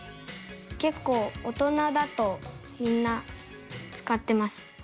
結構、大人だとみんな使ってます。